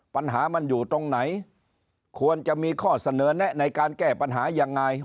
ปัญหามันอยู่ตรงไหนควรจะมีข้อเสนอแนะในการแก้ปัญหายังไง